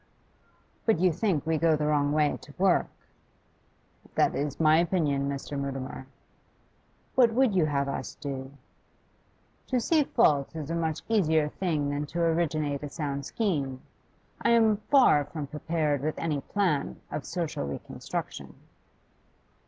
'But you think we go the wrong way to work?' 'That is my opinion, Mr. Mutimer.' 'What would you have us do?' 'To see faults is a much easier thing than to originate a sound scheme. I am far from prepared with any plan of social reconstruction.